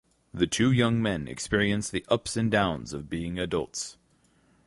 The two young men experience the ups and downs of being adults.